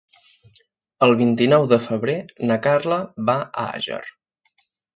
El vint-i-nou de febrer na Carla va a Àger.